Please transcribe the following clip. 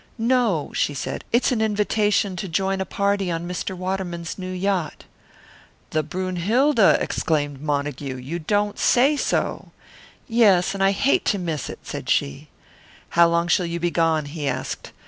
"No," she said. "It's an invitation to join a party on Mr. Waterman's new yacht." "The Brünnhilde!" exclaimed Montague. "You don't say so!" "Yes, and I hate to miss it," said she. "How long shall you be gone?" he asked.